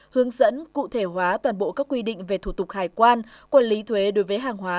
hướng dẫn cụ thể hóa toàn bộ các quy định về thủ tục hải quan quản lý thuế đối với hàng hóa